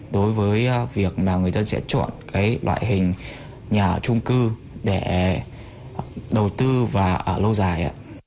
đối với việc mà người dân sẽ chọn cái loại hình nhà trung cư để đầu tư và ở lâu dài